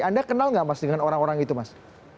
anda kenal nggak mas dengan orang orang itu mas